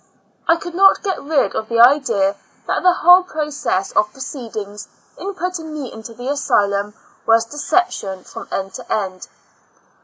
I could not get rid of the idea that the whole process of proceedings in putting me into the asylum was deception from end to end.